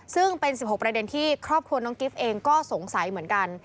ซึ่งเป็น๑๖ประเด็นที่ครอบครัวน้องกิฟต์เองก็สงสัยเหมือนกัน